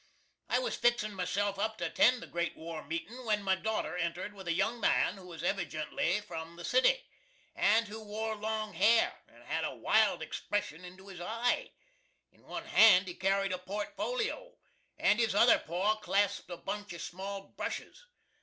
.... I was fixin myself up to attend the great war meetin', when my daughter entered with a young man who was evijently from the city, and who wore long hair, and had a wild expression into his eye. In one hand he carried a port folio, and his other paw claspt a bunch of small brushes.